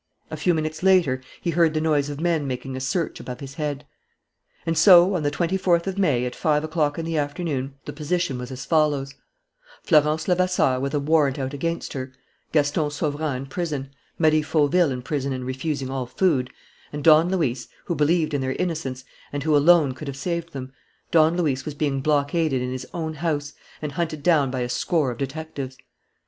A few minutes later he heard the noise of men making a search above his head. And so, on the twenty fourth of May, at five o'clock in the afternoon, the position was as follows: Florence Levasseur with a warrant out against her, Gaston Sauverand in prison, Marie Fauville in prison and refusing all food, and Don Luis, who believed in their innocence and who alone could have saved them, Don Luis was being blockaded in his own house and hunted down by a score of detectives.